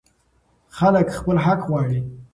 خلک خپل حق غواړي.